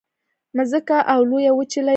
مځکه اوه لویې وچې لري.